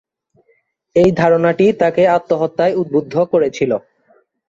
এই ধারণাটি তাকে আত্মহত্যায় উদ্বুদ্ধ করেছিল।